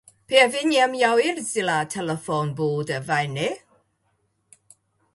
Pie viņiem jau ir zilā telefonbūda, vai ne?